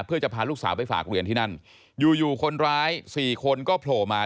เพื่อจะพาลูกสาวไปฝากเรียนที่นั่นอยู่อยู่คนร้ายสี่คนก็โผล่มา